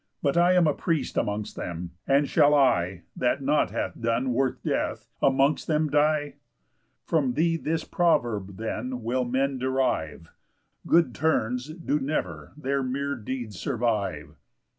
But I am priest amongst them, and shall I That nought have done worth death amongst them die? From thee this proverb then will men derive: _Good turns do never their mere deeds survive."